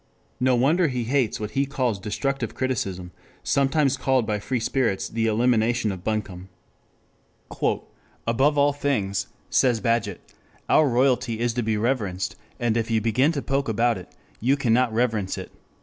No wonder he hates what he calls destructive criticism, sometimes called by free spirits the elimination of buncombe. "Above all things," says Bagehot, "our royalty is to be reverenced, and if you begin to poke about it you cannot reverence it."